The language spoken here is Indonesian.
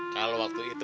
kalau waktu itu